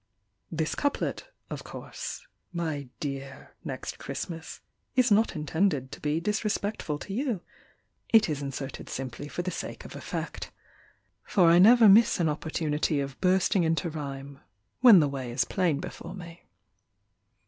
This couplet, of course. My dear Next Christmas, Is not intended to be Disrespectful to you; It is inserted simply For the sake of effect. For I never miss an opportunity Of bursting into rhyme. When the way is plain before me.